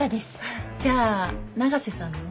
じゃあ永瀬さんの？